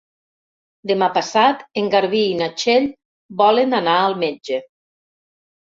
Demà passat en Garbí i na Txell volen anar al metge.